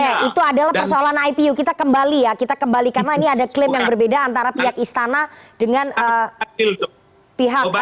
oke itu adalah persoalan ipu kita kembali ya kita kembalikanlah ini ada klaim yang berbeda antara pihak istana dengan pihak